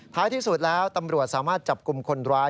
ที่สุดแล้วตำรวจสามารถจับกลุ่มคนร้าย